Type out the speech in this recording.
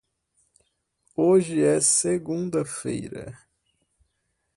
Hoje é segunda-feira.